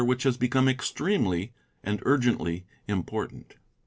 which has become extremely and urgently important.